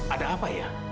ada apa ya